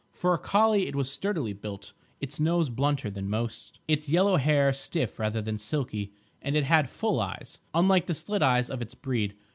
For a collie it was sturdily built, its nose blunter than most, its yellow hair stiff rather than silky, and it had full eyes, unlike the slit eyes of its breed.